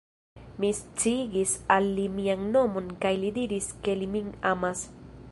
Mi sciigis al li mian nomon kaj li diris ke li min amas.